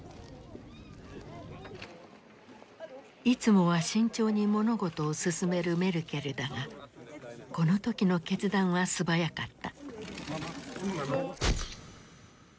いつもは慎重に物事を進めるメルケルだがこの時の決断は素早かった。